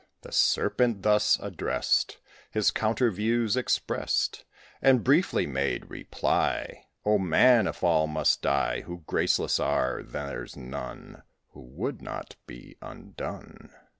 The Serpent, thus addressed, His counter views expressed, And briefly made reply: "O Man! if all must die Who graceless are, there's none Who would not be undone.